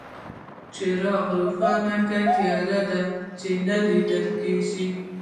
څراغ روښانه کړه، تياره ده، څه نه ليدل کيږي.